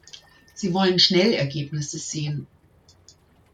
Sie wollen schnell Ergebnisse sehen.